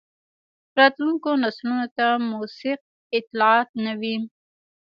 راتلونکو نسلونو ته موثق اطلاعات نه وي.